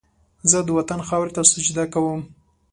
زه د وطن خاورې ته سجده کوم